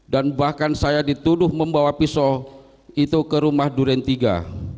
dan bahkan saya dituduh membawa pisau itu ke rumah duren iii